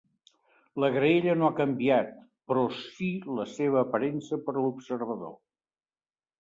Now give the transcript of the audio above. La graella no ha canviat, però sí la seva "aparença" per a l'observador.